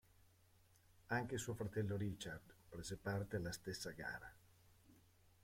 Anche suo fratello Richard prese parte alla stessa gara.